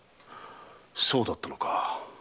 そうだったのか。